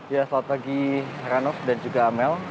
ya selamat pagi heranov dan juga amel